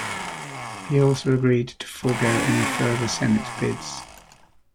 He also agreed to forego any further senate bids.